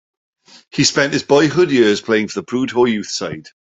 He spent his boyhood years playing for the Prudhoe youth side.